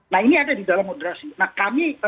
nah ini ada di dalam moderasi nah kami